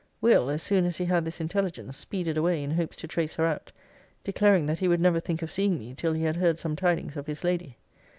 'Will., as soon as he had this intelligence, speeded away in hopes to trace her out; declaring, that he would never think of seeing me, till he had heard some tidings of his lady.'